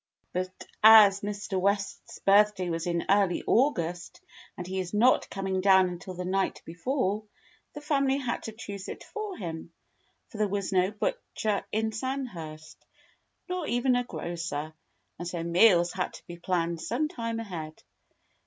But as Mr. West's birthday was in early August and he was not coming down until the night before, the family had to choose it for him, for there was no butcher in Sandhurst, nor even a grocer, and so meals had to be planned some time ahead.